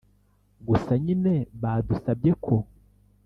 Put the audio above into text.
gusa nyine badusabye ko